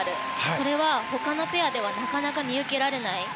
それは他のペアではなかなか見受けられない。